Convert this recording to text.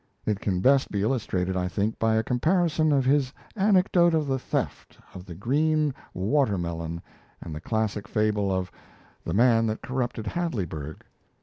It can best be illustrated, I think, by a comparison of his anecdote of the theft of the green water melon and the classic fable of 'The Man that Corrupted Hadleyburg'.